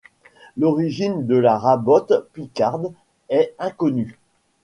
L'origine de la rabote picarde est inconnue.